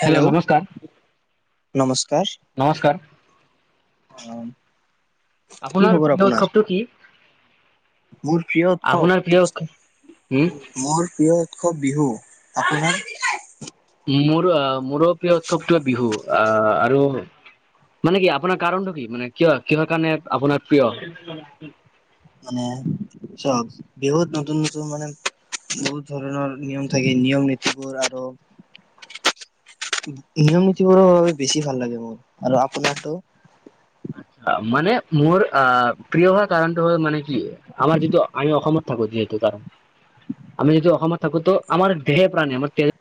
Hello নমস্কাৰ নমস্কাৰ। অ'। কি আপোনাৰ খবৰ প্ৰিয় উৎসৱটো কি? মোৰ প্ৰিয় উৎসৱ আপোনাৰ প্ৰিয় উৎসৱ মোৰ প্ৰিয় উৎসৱ বিহু ।আপোনাৰ? মোৰ আহ মোৰো প্ৰিয় উৎসৱটোৱে বিহু আহ আৰু মানে কি আপোনাৰ কাৰণটো কি মানে ক কিহৰ কাৰণে আপোনাৰ প্ৰিয়? মানে চব বিহুত নতুন নতুন মানে বহুত ধৰণৰ নিয়ম থাকে নিয়ম নীতিবোৰ, আৰু নিয়ম নীতিবোৰৰ বাবে বেছি ভাল লাগে মোৰ ।আৰু আপোনাৰটো? আচ্ছা মানে মোৰ আহ প্ৰিয় হোৱা কাৰণটো হল মানে কি আমাৰ যিটো আমি অসমত থাকো যিহেতু কাৰণ আমি যিটো অসমত থাকোতো আমাৰ দেহে প্ৰাণী আমাৰ তেজ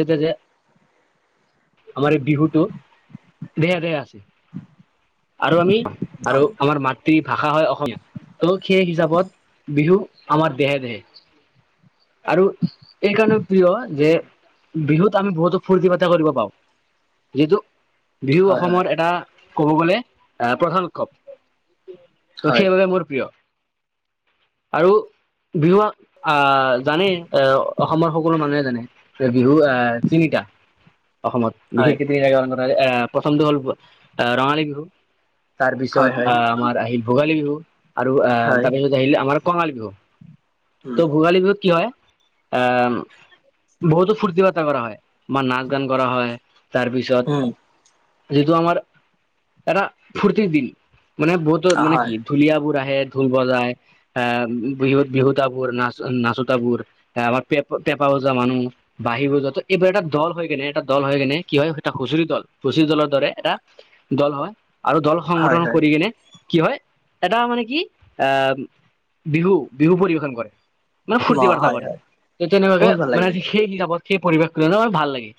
তেজে তেজে আমাৰ এই বিহুতটো দেহে দেহে আছে আৰু আমি অ আৰু আমাৰ মাট ভাষা হয় অসমীয়া ত' সেই হিচাপত বিহু আমাৰ দেহে দেহে। আৰু এই কাৰণে প্ৰিয় যে, বিহুত আমি বহুতো ফুৰ্টি ফাৰ্তা কৰিব পাওঁ। যিহেতু বিহু হয় অসমৰ এটা কব গ'লে প্ৰধান উৎসৱ। তো হয় সেইবাবে মোৰ প্ৰিয়। আৰু, বিহুুৱা আ জানে অসমৰ সকলো মানুহে জানে। বিহু আহ, তিনিটা। অসমত হয় হয় বিশেষকে তিনি [unintelligible] প্ৰথমটো হ'ল আহ ৰঙালী বিহু। তাৰ পিছত হয় হয় আহ আমাৰ আহিল ভোগালী বিহু। উ আৰু অ হয় তাৰপিছত আহিলে আমাৰ কঙালী বিহু। তো উম ভোগালী বিহুত [unintelligible] বহুতো ফুৰ্তি বা কৰা হয় বা নাচ গান কৰা হয় তাৰপিছত। উম যিহেতু আমাৰ এটা ফূুৰ্তিৰ দিন মানে বহুতো অ, মানে হয় কি? ঢুলীয়া বোৰ আহ ে ঢোল বজায় আহ বিহু বিহুতাবোৰ নাচ নাচত বোৰ আমাৰ পে পেপা বজা মানুহ বাঁি বজা ত এইবোৰ এটা দল হৈ কেনে এটা দল হৈ কেনে কি হয় এটা হুঁচৰি দল হুঁচৰি দলৰ দৰে এটা দল হয় আৰু দল হয় সংগঠন হয় কৰি গেলে কি হয়? এটা মানে কি? আহ! বিহু বিহু পৰিবেশন কৰে। মানে অ ফূৰ্তি ফাৰ্তা হয় কৰে, হয় ত তেনেকুৱাকে বহুত ভাল মানে লাগিল সেই হিচাপত সেই পৰিৱেশ ত নাৰ ভাল লাগে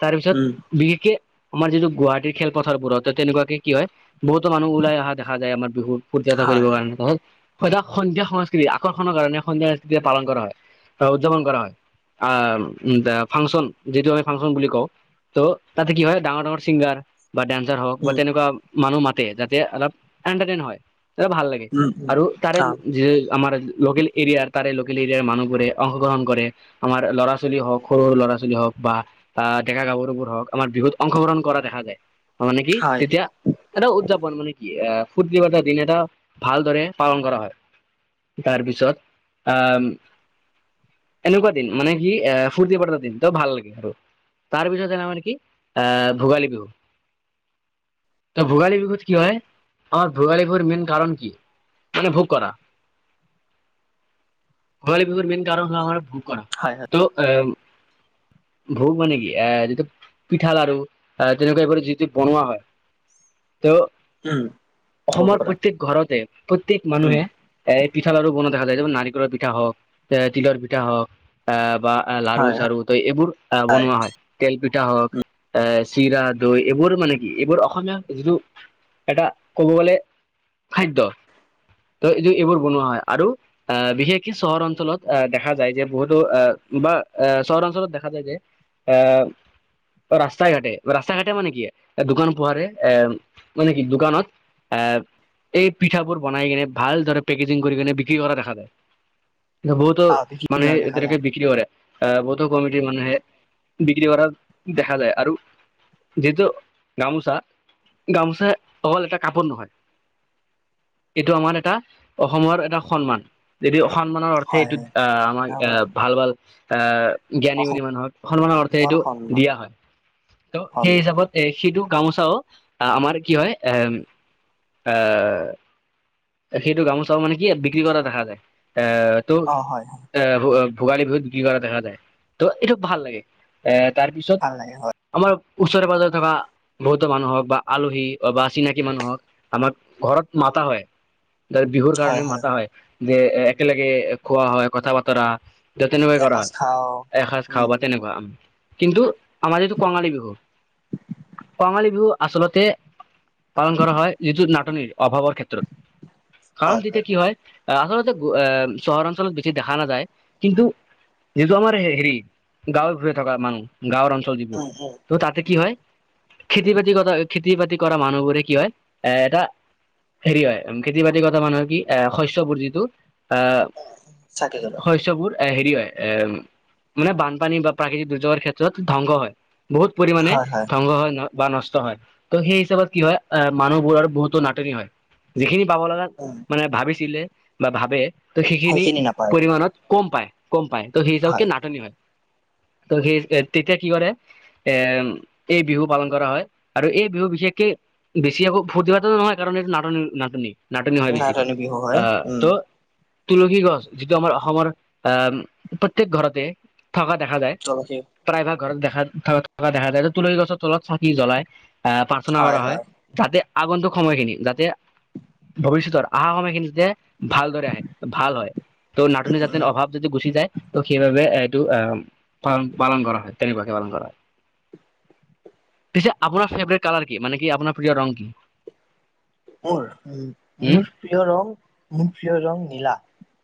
তাৰপিছত উম বিহু কে আমাৰ যিটো গুৱাহাটীৰ খেলপথাৰবোৰতে, তেনেকুৱাকে কি হয় বহুত মানুহ ওলাই অহা দেখা যায় আমাৰ বিহুত। ফূৰ্তি এটা কৰিব হয় কাৰণে ত সদায় সন্ধিয়া সংস্কৃতি আকৰণ কাৰণে সন্ধিয়া পালন কৰা হয় বা উদযাপন কৰা হয় আহ ফাংচন যিটো আমি ফাংচন বুলি কওঁ ত তাতে কি হয় ডাঙৰ ডাঙৰ ছিংগাৰ বা দন্সাৰ হওক বা উম তেনেকুৱা মানুহ মাতে যাতে অলপ এটাৰন হয় এটা ভাল লাগে উম উম আৰু তাৰে অ য আমাৰ লোকেল এৰিয়াৰ তাৰে লোকেল এৰিয়াৰ মানুহবোৰে অংশগ্ৰহণ কৰে, আমাৰ ল'ৰা ছোৱালী হওক সৰু সৰু ল'ৰা ছোৱালী হওক বা ডেকা গাভৰুবোৰ হওক আমাৰ বিহুত অংশগ্ৰহণ কৰা দেখা যায়। মানে কি? হয় তেতিয়া এটা উদযাপন মানে কি? এ! ফুৰ্তিলগা দিন এটা ভালদৰে পালন কৰা হয় তাৰপিছত, আহ! এনেকুৱা দিন মানে কি, আহ ফুৰ্তি কৰাৰ দিন ত ভাল লাগে আৰু তাৰ পিছত যে মানে কি আহ ভোগালী বিহু ত ভোগালী বিহুত কি হয়, আমাৰ ভোগালী বিহুৰ মেইন কাৰণ কি? মানে ভোগ কৰা। ভোগালী বিহুৰ মেইন কাৰণ হল আমাৰ কৰা হয় হয় তো আহ ভোগ মানে কি এ যিটো পিঠা লাাৰ়ু আহ তেনেকুৱা এইবোৰ যিটো বনোৱা হয় ত উম ক'ব অসমৰ পৰা প্ৰত্যয়েক ঘৰতে প্ৰত্যেক উম মানুহে এক পিঠা লাড়ু বনোৱা দেখা যায় যে, নাৰিকলৰ পিঠা হওক এ তিলৰ পিঠা হওক আহ বা হয় লাৰ়ু চাৰু তই এইবোৰ আহ বনোৱা হয় তেল পিঠ তি হওক এ চিৰা দৈ এইবোৰ মানে কি এইবোৰ অসমীয়া যিটো এটা কব গ'লে খাদ্য ত এইটো এইবোৰ বনোৱা হয় আৰু আহ বিশেষক চহৰ অঞ্চলত আহ দেখা যায় যে বহুতো আহ বা এ চহৰ অঞ্চলত দেখা যায় যে এ ৰাস্তা ঘাটে ৰাস্তা ঘাটে মানে কি দোকান পোহাৰে এ মানে কি দোকানত এ এই পিঠাাবোৰ বনাই কিনে ভাল ধৰে পেকেজিং কৰি কিনে কি কৰা দেখা যায় বহুতো আহ বিক্ৰী মানুহে কৰা দেখা এতিকে যায় বিক্ৰী কৰে আহ বতু কমিটিৰ মানুহে বিক্ৰী কৰা দেখা যায় আৰু যিহেতু গামোচা গামোচা অকল এটা কাপোৰ নহয় এইটো আমাৰ এটা অসমৰ এটা সন্মান যদি সন্মানৰ অৰ্থে হয় এইটো হয় অহ আমাক আমাৰ ভাল-ভাল। অ' জ্ঞানী বুলি অসমৰ মানুহক সন্মানৰ অৰ্থে এইটো সন্মান দিয়া হয় ত' সেই সন্মান হিচাপত এ সিটো গামোচাও আমাৰ কি হয় এ অহ সেইটো গামোচাও মানে কি বিক্ৰী কৰা দেখা যায়। এ টো অ হয় হয় এ ভো ভোগালী বিহুত বিক্ৰী কৰা দেখা যায় ত' এইটো ভাল লাগে এ। তাৰপিছত ভাল লাগে হয় আমাৰ ওচৰে পাঁজৰে থকা বহুতো মানুহ হওক বা আলহী বা চিনাকি মানুহওক আমাৰ ঘৰত মাতা হয়। তাৰ বিহুৰ কাৰণে মাতা হয়। যে একেলগে খোৱা হয় কথা বতৰা ত তেনেকুৱাই কৰা এসাঁজ খাওঁ হয় এসাঁজ উম খাও বা তেনেকুৱা। কিন্তু আমাৰ এইহেতু কঙালী বিহু, কঙালী বিহু আচলতে পালন কৰা হয় যুজত নাট নিৰ অভাৱৰ ক্ষেত্ৰত। কাৰণ তেতিয়া কি হয়? আচলতে এ চহৰ অঞ্চলত বেছি দেখা নাযায় কিন্তু যিটো আমাৰ হেৰি গাঁৱে ভূঞে থকা মানুহ। গাঁৱৰ অঞ্চল যিবোৰ উম উম ত' তাতে কি হয়। খেতি বাতি কৰা খেতি বাতি কৰা মানুহবোৰে কি হয়। এ এটা হেৰি হয় খেতি বাতি কৰা মানুহৰ কি এ শস্য চবুজিতো এ চাকি জ্বলাই শস্যবোৰ এ হেৰি হয় এ মানে বানপানী বা প্ৰাকৃতিক দুৰ্যোগৰ ক্ষেত্ৰত ধ্বংস হয়। বহুত পৰিমাণে ধ্বংস হয় ন। বা নষ্ট হয় ত' সেই হিচাপত কি হয়। এ মানুহবোৰ আৰু বহুতো নাটনি হয়। যিখিনি পাব লগা উম মানে ভাবিছিলে বা ভাবে ত' সেইখিনি পৰিমানত, কম পায়। কম পায় ত সেইহিচাপে হয় নাটনি হয়। ত সেই তেতিয়া কি কৰে এ এই বিহু পালন কৰা হয় আৰু এই বিহু বিশেষকে বেছি আকৌ ফূৰ্তিভাতাটো নহয় কাৰণ এইটো নাটনি-নাটনি। নাটনি হয় বেছিকে। হ আহ উম ত' তুলসী গছ যিটো আমাৰ অসমৰ আহ প্ৰত্্যেক ঘৰতে থকা দেখা যায় তুলসী প্ৰায়ভাগ ঘৰত দেখা থকা দেখা যায় তুলুসী গছৰ তলত চাকি জ্বলাই [unintelligible] আহ প্ৰাৰ্থনা কৰা হয় যাতে আগন্তুক সময়খিনি যাতে ভৱিষ্যতৰ আহা সময়খিনি [unintelligible] যে ভালদৰে আহে ভাল হয় ত' নাটনি উম জাাতন উম অভাৱ যদি গুচি যায় ত সেইবাবে এ টো আহ পালন কৰা হয় তেনেকুৱাকে পালন কৰা হয় পিছে আপোনাৰ ফেভট কালাৰ কি মানে কি আপোনাৰ প্ৰিয় ৰং কি মোৰ উ উম মোৰ প্ৰিয় ৰং মোৰ প্ৰীয় ৰং নীলা [unintelligible]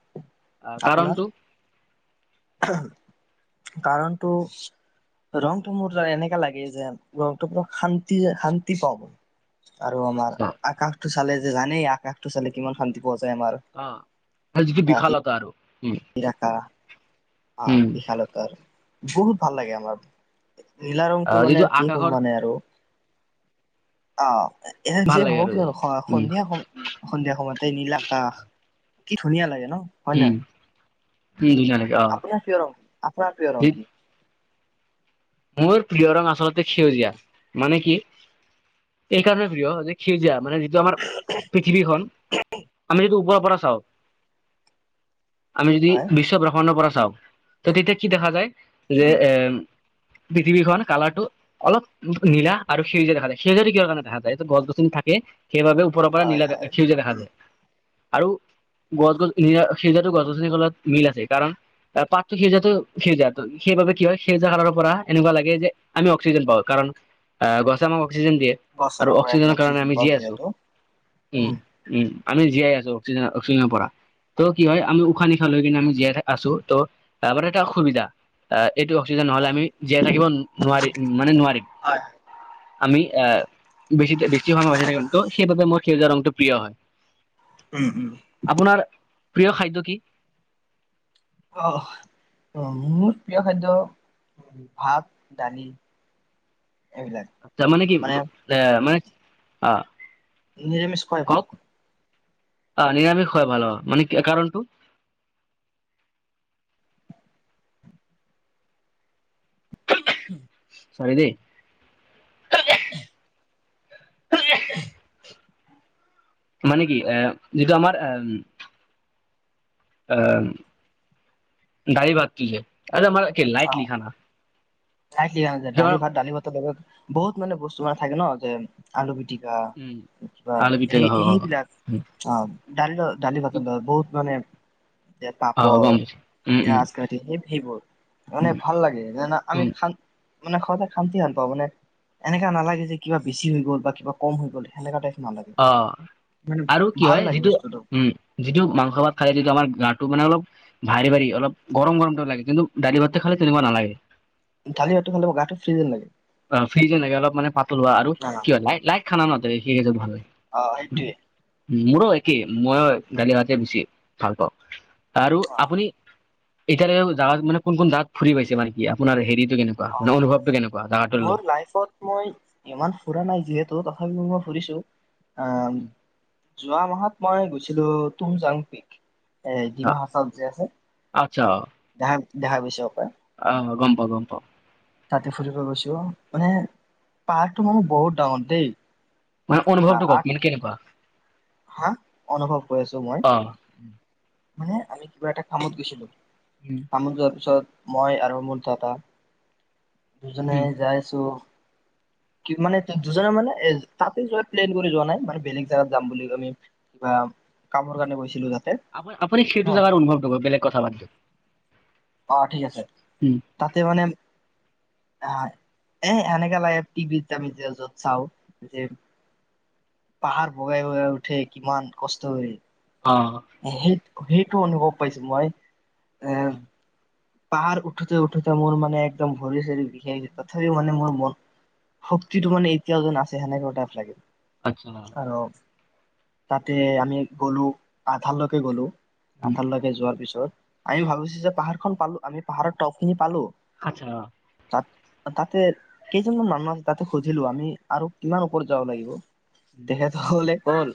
অ কাৰণ আপোনাৰ তু কাৰণটো ৰংটো মোৰ ত এনেককা লাগে যে ৰংটো প শান্তি শান্তি পাব আৰু আমাৰ আচ্ছা আকাশটো চালে যে জানেই আকাশটো চালে কিমান শান্তি পোৱা যায় আমাৰ অ যিটো বিখালতা আৰু উম ইা অ উম বিশালতাৰ বহুত ভাল লাগে আমাৰ নীলা ৰংটো মানে যিটো কি হম আকাশৰ মানে আৰু অ এ ভাল নিজেই লাগে ভাবো আৰু কিয়ো উম উম সন্ধিয়া সময় সন্ধিয়া সময়তে নীল আকাশ কি ধুনীয়া লাগে ন হয় উম নাই ধুনীয়া লাগে অ আপোনাৰ প্ৰিয় ৰং আপোনাৰ প্ৰিয় ৰং কি মোৰ প্ৰিয় ৰং আচলতে সেউজীয়া মানে কি এই কাৰণে প্ৰিয় যে সেউজীয়া মানে য আমাৰ পৃথিৱীখনন আমি যদি উপ কবৰ আ চও [unintelligible] আমি যদি হয় বিশ্ব ব্ৰহ্মাণ্ডৰ পৰা তেতিয়া কি দেখা যায়? যে, উম এ পৃথিৱীখন কালাৰটো অলপ নীলা আৰু সেউজীয়া দেখা যায়! সেউজীয়া কিহৰ কাৰণে দেখা যায়? এটো গছ গছনি থাকে সেইবাবে ওপৰৰ পৰা হয় নীলা, হয় সেউজীয়া দেখা যায়। আৰু গছ-গছজ সেজাটো গছ-গছনি কত মিল আছে কাৰণ পাতটো সিজাটো সেজা সেইবাবে কি হয় সেজা কালৰ এনেকুৱা লাগে যে আমি অক্সিজেন পাওঁ কাৰণ, অ', গছে আমাক অক্সিজেন দিয়ে গছৰৰ আৰু, পৰা অক্সিজেনৰ কাৰণে অক্সিজেন আমি পাওঁ জীয়াই আছোঁ। যিহেতু উম আমি জীয়াই আছো অক্সিজেনৰ অক্সিজেনৰ পৰা, ত' কি হয় আমি উশাহ নিশাহ লৈ কিনে আমি জীয়াই আছো ত' তাৰপৰা এটা সুবিধা অ'। এইটো অক্সিজেন নহ'লে আমি জীয়াই থাকিব নোৱাৰিম মানে নোৱাৰিম হয় আমি বেছি বেছি সময় বাচি থাক ত' সেইবাবে মোৰ সেউজীয়া ৰংটো প্ৰিয় হয়। উম, উম। আপোনাৰ প্ৰিয় খাদ্য কি? অ', মোৰ প্ৰিয় খাদ্য ভাত, দালি। এইবিলাক আচ্ছা মানে কি? এ মানে অ'। নিৰামিষ কাই ভাল। অ', নিৰামিষ খোৱা ভাল অ', মানে কাৰণটো? চাৰি দেই [inaudible] মানে কি এ, যিটো আমাৰ অ'। অ', দালি ভাত নেকি? এটো আমাৰ, লাইটলি খানা। খাই কি যে এইটো দালি আমাৰ, ভাত দালি ভাতৰ লগ বহুত মানে বস্তু থাকে ন', যে আলু ভি টিকা উম কিবা আলু হে পিটিকা হয় সেইবিলাক অ'। ডাল দালি ভাত বহুত মানে যে অ পাপৰ, গম পাইছো উম উম পিয়াজ কাটি সেইবোৰ মানে উম ভাল লাগে জানা। উম আমি খান মানে খোৱা বোৱাত শান্তি নাপাওঁ মানে, এনেকা নালাগে যে কিবা বেছি হৈ গ'ল বা কিবা কম হৈ গ'ল, সেনেকা টাইপ। নালাগে অ', মানে আৰু কি ভাল হয়, লাগে যিটো বস্তুটো উম, যিটো মাংস ভাত খায় দিলোঁ আমাৰ গা টো মানে অলপ ভাৰি ভাৰি অলপ গৰম গৰমতটো লাগে কিন্তু দালি ভাত খালে তেনেকুৱা নালাগে দালি ভাতটো খালে মোৰ গাটো ফ্ৰী যেন লাগে অ', ফ্ৰিজে নাগে অলপ মানে পাতল লোৱা আৰু অ কি হয় লাই, লাই। খানা নাতিক আছত ভাল অ', সেইটোৱে। মোৰো একেই, মইও দালি ভাতে বেছি ভাল পাওঁ। আৰু অ আপুনি এতিয়া লেকে জেগাত মানে কোন কোন জেগাত ফুৰি পাইছে মানে কি আপোনাৰ হেৰিত অ মোৰ লাইফত মই ইমান ফুৰা নাই, যিহেতু ভাব মই ফুৰিছোঁ। অ। যোৱা মাহত মই গৈছিলো তুমজাং পিক। এ ডিমাহাছাওত যে আছে আচ্ছা ।ধান দেখা পাইছ। অ' গম পাওঁ, গম পাওঁ। তাতে ফুৰিব গৈছো, মানে পাহাৰটো মানে বহুত ডাঙৰ দেই। মানে, কিবা অনুভৱটো আঠ কক মানে কেনেকুৱা? হা! অনুভৱ কৰিছো মই। অ মানে কিবা এটা কামত গৈছিলোঁ। কামত যোৱাৰ পিছত মই আৰু মোৰ দদা দুজনে যাইছো। মানে দুজনে মানে তাতে যোৱা প্লেন কৰি যোৱা নাই, মানে বেলেগ জাগগাত যাম বুলি আমি কিবা কামৰ কাৰণে গৈছিলো তাতে আ আপুনি হা সেইটো জেগাৰ অনুভৱ টো কৰক, বেলেগ কথা বাদ দিওক। অ' ঠিক আছে, তাতে মানে আহ এ এনেকা লাগে টিভিত যে আমি যে য'ত চাওঁ, যে পাহাৰ বগাই বগাই উঠে কিমান কষ্ট হয়। অঁ। সেইটো অনুভৱ পাইছো মই। এ আচ্ছা্ পাহাৰ উঠোতে, উঠোতে মোৰ মানে একদম ভৰি চৰি বিষাই গৈছে তথাপিও মানে মোৰ মন শক্তিটো মানে এতিয়াও যেন আছে সেনেকা টাইপ লাগে। আচ্ছা আহ। তাতে আমি গ'লো, আধা লকে গ'লো। উম, আপোনালোকে যোৱাৰ পিছত। আমি ভাবিছো যে পাহাৰ খন পালো আমি পাহাৰৰ তপ খিনি পালোঁ। আচ্ছা। তাত তাতে কেইজনমান মানুহ আছে তাতে সুধিলো আমি আৰু কিমান ওপৰত যাব লাগিব তেখেত হলে কল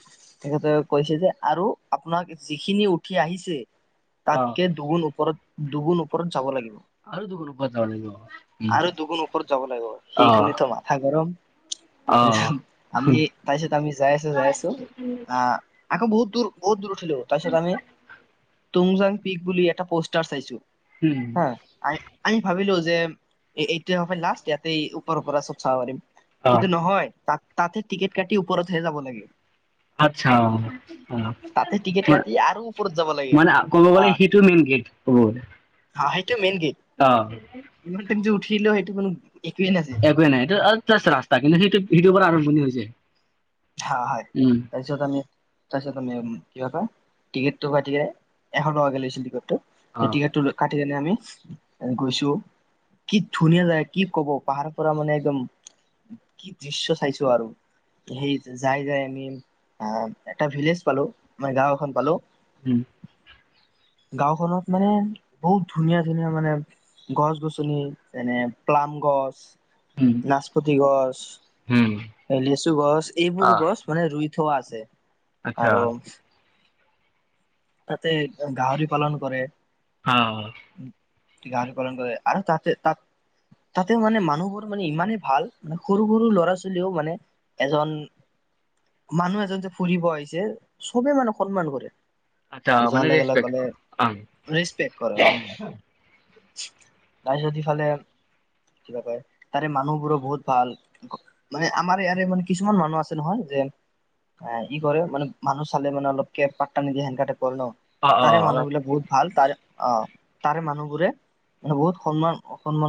তেখেতে কৈছে যে আৰু আপোনাক যিখিনি উঠি আহিছে অ তাতকে দুগুণ ওপৰত দুগুণ ওপৰত যাব লাগে আৰু দুগুণ ওপৰত যাব লাগিব উম, আৰু দুগুণ ওপৰত যাব লাগিব, অ সেইখিনিতো মাথা গৰম, অ উম, আমি তাৰ পিছত আমি যাই আছো, যাই আছো, আহ আকৌ বহু তোৰ বহুত দূৰত তাৰ পিছত আমি তুংজাং পিক বুলি এটা পছ ষ্টাৰ চাইছো উম, হ আমি, আমি ভাবিলো যে এই, এইটো হব লাষ্ট, ইয়াতে ওপৰৰ পৰা চব চাব পাৰিম। অ কিন্তু নহয়, তাত তাতে টিকট কাটি ওপৰতহে যাব লাগে আচ্ছা, অ, অ, তাতে টিকেট কাটি আৰু ওপৰত যাব লাগে। মানে-মানে আকৌ ক'ব গলে সিটো মেইন গেট [inaudible] [inaudible] টো মেইন গেট অ ইমান টাইম যে উঠিল সেইটো মানো একোৱে নাই, [unintelligible] ৰাস্তা কিন্তু সেইটো সেইটো পৰা আৰম্ভণি হৈছে হ হয় উম তাৰপিছত আমি। তাৰপিছত আমি উম কিবা কয়, টিকেটটো কাটিয়ে এশ টকাকৈ লৈছিল টিকটটো অ সেই টিকটটো লৈ সেইকাৰণে আমি গৈছো, কি ধুনীয়া জাগা, কি কব, পাহাৰৰ পৰা মানে একদম, কি দৃশ্য চাইছো আৰু সেই যাই-যাই আমি আহ এটা ভিলেজ পালো, মই গাওঁ এখন পালো উম গাঁওখনত মানে বহুত ধুনীয়া-ধুনীয়া মানে গছ-গছনি, যেনে প্লাম গছ উম নাচপতি গছ, উম লেচু গছ, এইবোৰ অ গছ মানে ৰুই ঠ আছে আচ্ছা আৰু তাতে গাহৰি পালন কৰে আহ গাহৰি পালন কৰে আৰু তাতে তাত, তাতে মানে মানুহবোৰ মানে ইমানেই ভাল, মানে সৰু-সৰু ল'ৰা-ছোৱালীও মানে, এজন মানুহ এজন যে ফুৰিব আহিছে, চবে মানে সন্মান কৰে আচ্ছা যোৱাৰ ইমানে লগে লগে কলে ৰেছপেক্ট, ৰেচপেক্ট কৰে অ তাৰপিছত ইফালে কিবা কয়, তাৰে মানুহবোৰো বহুত ভাল, মানে আমাৰ ইয়াৰে মানে কিছুমান মানুহ আছে নহয় যে, এ ই কৰে মানে মানুহ চালে মানে অলপকে পাট্টা নিদিয়ে সেন কৰে ন, অ অ তাৰে অ মানুহ বিলাক বহুত ভাল তাৰে অ তাৰে মানুহবোৰে বহুত সন্মান অসন্মান